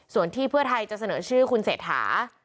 ส่วนที่เพื่อไทยจะเสนอชื่อคุณเศรษฐา